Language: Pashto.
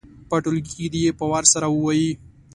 په ټولګي کې دې یې په وار سره ووايي.